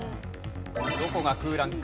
どこが空欄か。